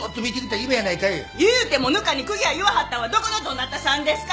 言うてもぬかに釘や言わはったんはどこのどなたさんですか！